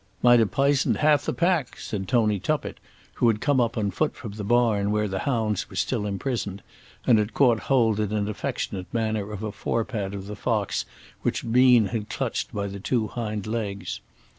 "Might have pi'soned half the pack!" said Tony Tuppett, who had come up on foot from the barn where the hounds were still imprisoned, and had caught hold in an affectionate manner of a fore pad of the fox which Bean had clutched by the two hind legs.